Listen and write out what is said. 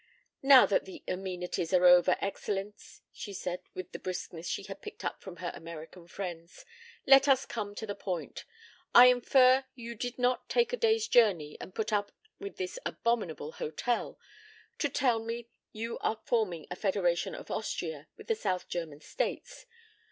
"Now that the amenities are over, Excellenz," she said with the briskness she had picked up from her American friends, "let us come to the point. I infer you did not take a day's journey and put up with this abominable hotel to tell me that you are forming a Federation of Austria and the South German States.